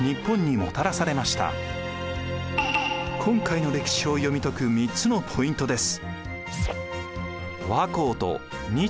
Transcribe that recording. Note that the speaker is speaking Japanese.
今回の歴史を読み解く３つのポイントです。